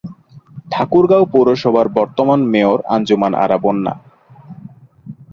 ঠাকুরগাঁও পৌরসভার বর্তমান মেয়রের আঞ্জুমান আরা বন্যা।